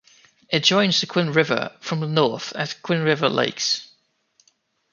It joins the Quinn River from the north at Quinn River Lakes.